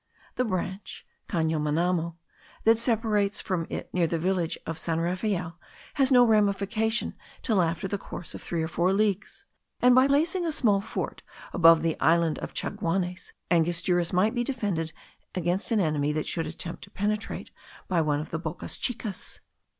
The branch (Cano Manamo) that separates from it near the village of San Rafael has no ramification till after a course of three or four leagues; and by placing a small fort above the island of Chaguanes, Angostura might be defended against an enemy that should attempt to penetrate by one of the bocas chicas.